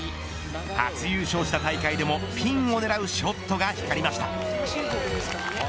初優勝した大会でもピンを狙うショットが光りました。